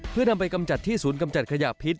เพื่อนำไปกำจัดที่ศูนย์กำจัดขยะพิษ